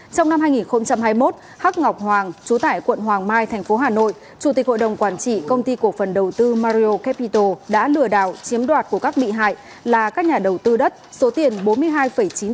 trong năm hai nghìn hai mươi một h ngọc hoàng chú tải quận hoàng mai tp hcm chủ tịch hội đồng quản trị công ty cổ phần đầu tư mario capital đã lừa đảo chiếm đoạt của các bị hại là các nhà đầu tư đất số tiền bốn mươi hai chín tỷ đồng